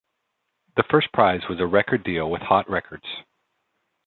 The first prize was a record deal with Hot Records.